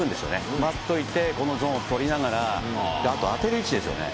止まっておいてこのゾーン取りながら、あと、当てる位置ですよね。